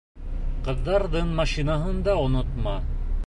Ҡыҙҙарҙың машинаһын да онотма!